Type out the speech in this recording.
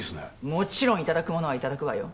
もちろんいただくものはいただくわよ。